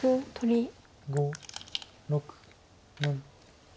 ５６７。